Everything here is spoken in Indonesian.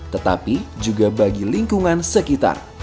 tetapi juga bagi lingkungan sekitar